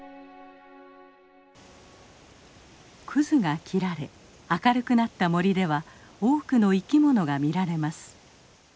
クズが切られ明るくなった森では多くの生き物が見られます。